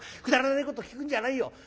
『くだらないこと聞くんじゃないよ』。